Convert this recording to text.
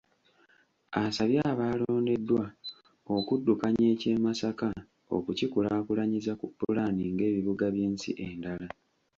Asabye abaalondeddwa okuddukanya eky’e Masaka okukikulaakulanyiza ku pulaani ng’ebibuga by’ensi endala.